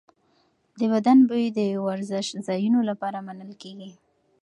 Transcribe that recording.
د بدن بوی د ورزشځایونو لپاره منل کېږي.